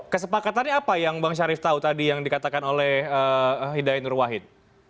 kesepakatan apa yang bang syarif tahu tadi yang dikatakan oleh hidayat nurwain